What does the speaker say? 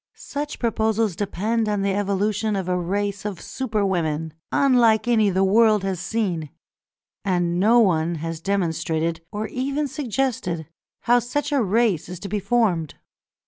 Such proposals depend on the evolution of a race of Superwomen unlike any the world has seen, and no one has demonstrated, or even suggested, how such a race is to be formed.